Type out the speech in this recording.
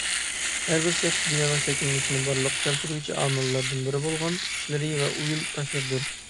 ھەر بىر شەخس بىنانىڭ شەكىللىنىشىنى بارلىققا كەلتۈرگۈچى ئامىللىرىدىن بىرى بولغان خىشلىرى ۋە ئۇيۇل تاشلىرىدۇر.